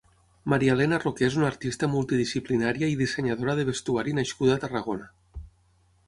Mariaelena Roqué és una artista multidisciplinària i dissenyadora de vestuari nascuda a Tarragona.